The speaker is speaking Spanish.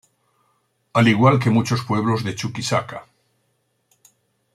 Al igual que muchos pueblos de Chuquisaca.